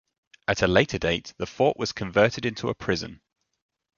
At a later date, the fort was converted into a prison.